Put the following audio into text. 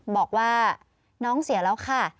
บอกว่าน้องเสียแล้วค่ะ